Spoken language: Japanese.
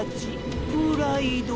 プライド？